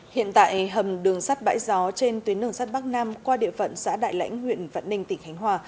hiện tại hầm đường sắt bãi gió trên tuyến đường sắt bắc nam qua địa phận xã đại lãnh huyện vạn ninh tỉnh khánh hòa